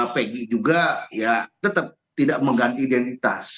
pegi juga ya tetap tidak mengganti identitas